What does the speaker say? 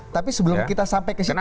tapi sebelum kita sampai ke situ mas eko